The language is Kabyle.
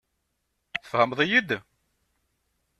Tfehmeḍ-iyi-d?